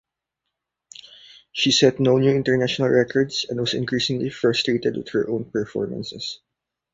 She set no new international records, and was increasingly frustrated with her own performances.